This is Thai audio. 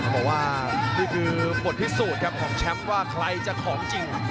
บอกว่านี่คือผลพิสูจน์ครับของแชมป์ว่าใครจะของจริง